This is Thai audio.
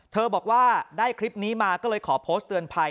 บอกว่าได้คลิปนี้มาก็เลยขอโพสต์เตือนภัย